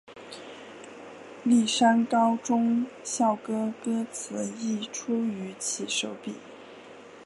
丽山高中校歌歌词亦出于其手笔。